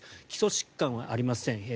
基礎疾患はありません。